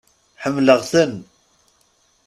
Ḥemmleɣ-ten.